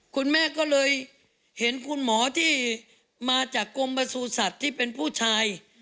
คุณแม่ก็เลยเห็นคุณหมอที่มาจากกรมประสูจัตว์ที่เป็นผู้ชาย